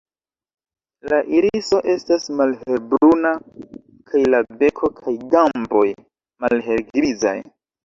La iriso estas malhelbruna kaj la beko kaj gamboj malhelgrizaj.